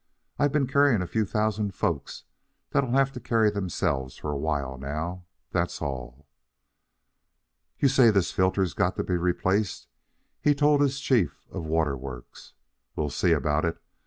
I've been carrying a few thousand folks that'll have to carry themselves for a while now, that's all." "You say this filter's got to be replaced," he told his chief of the water works. "We'll see about it.